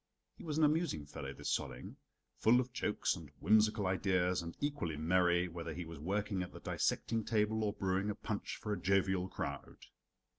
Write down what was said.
He was an amusing fellow, this Solling. Full of jokes and whimsical ideas, and equally merry, whether he was working at the dissecting table or brewing a punch for a jovial crowd.